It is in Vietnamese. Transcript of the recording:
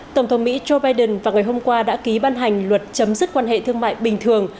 tổng thống mỹ joe biden vào ngày hôm qua đã ký ban hành luật chấm dứt quan hệ thương mại bình thường